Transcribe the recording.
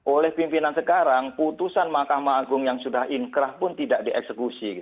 oleh pimpinan sekarang putusan mahkamah agung yang sudah inkrah pun tidak dieksekusi